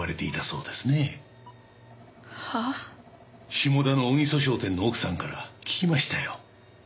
下田の小木曽商店の奥さんから聞きましたよ。